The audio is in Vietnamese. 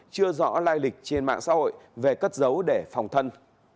chưa rõ lai lịch trên mạng xã hội về cất giấu để phòng thân